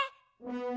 うん！